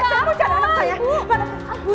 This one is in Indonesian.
ibu naila apa yang terjadi